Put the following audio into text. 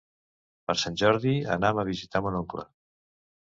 Per Sant Jordi anam a visitar mon oncle.